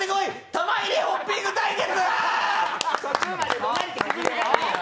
玉入れホッピング対決！